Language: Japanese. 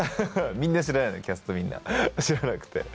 みんな知らないのキャストみんな知らなくて。